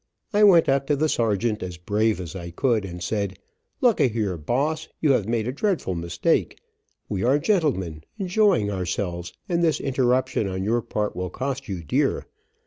I went up to the sergeant, as brave as I could, and said, "Look a here, boss, you have made a dreadful mistake. We are gentlemen, enjoying ourselves, and this interruption on your part will cost you dear.